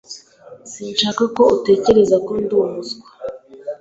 Sinshaka ko utekereza ko ndi umuswa.